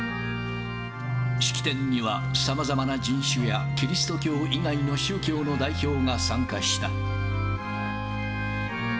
式典には、さまざまな人種や、キリスト教以外の宗教の代表が参加した。